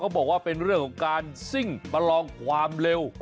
บอกว่าเป็นเรื่องของการซิ่งประลองความเร็ว